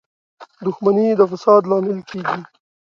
• دښمني د فساد لامل کېږي.